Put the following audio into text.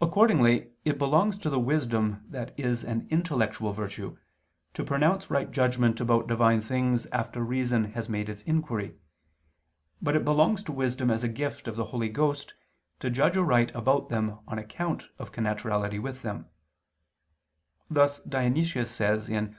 Accordingly it belongs to the wisdom that is an intellectual virtue to pronounce right judgment about Divine things after reason has made its inquiry, but it belongs to wisdom as a gift of the Holy Ghost to judge aright about them on account of connaturality with them: thus Dionysius says (Div.